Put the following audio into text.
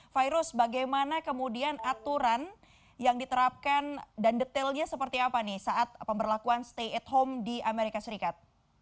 virus bagaimana kemudian aturan yang diterapkan dan detailnya seperti apa nih saat pemberlakuan stay at home di amerika serikat